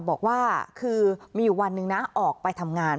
บอกว่าคือมีอยู่วันหนึ่งนะออกไปทำงาน